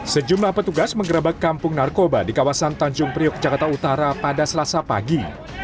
sejumlah petugas mengerebek kampung narkoba di kawasan tanjung priuk jakarta utara pada selasa pagi